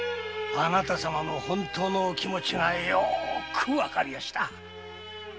あなた様の本当のお気持ちはよくわかりやした。